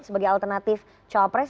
sebagai alternatif cawapres